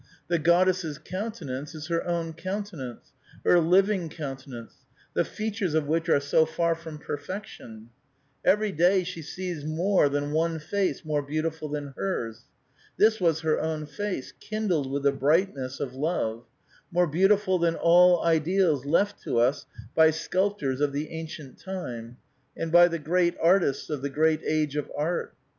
The goddess' countenance is her own coun tenance, her living countenance, the features of which are so far from perfection ; every day she sees more than one face more beautiful than liers. This was her own face, kindled with the brightness of love ; more beautiful than all ideals left to us by sculptors of the ancient time, and by the great artists j of the great age of art.